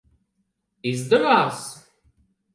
Izdevās?